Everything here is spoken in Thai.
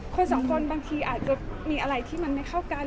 คนสองคนบางทีอาจจะมีอะไรที่มันไม่เข้ากัน